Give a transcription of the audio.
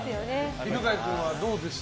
犬飼君はどうでした？